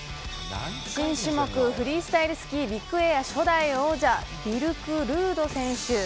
新種目フリースタイルスキービッグエア初代王者ビルク・ルード選手。